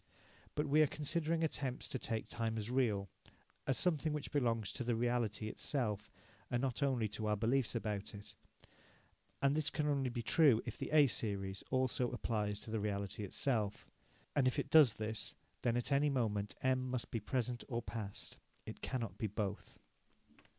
But we are considering attempts to take time as real, as something which belongs to the reality itself, and not only to our beliefs about it, and this can only be so if the A series also applies to the reality itself. And if it does this, then at any moment M must be present or past. It cannot be both.